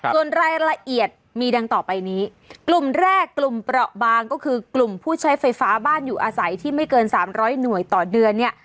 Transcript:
ส่วนรายละเอียดมีดังต่อไปนี้กลุ่มแรกกลุ่มเปราะบางก็คือกลุ่มผู้ใช้ไฟฟ้าบ้านอยู่อาศัยที่ไม่เกิน๓๐๐หน่วยต่อเดือนเนี่ย